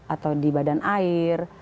atau di badan air